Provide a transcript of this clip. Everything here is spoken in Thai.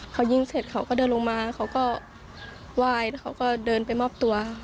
เขายิงเสร็จเขาก็เดินลงมาเขาก็ไหว้แล้วเขาก็เดินไปมอบตัว